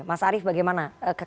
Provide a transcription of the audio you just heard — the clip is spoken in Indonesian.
mas arief bagaimana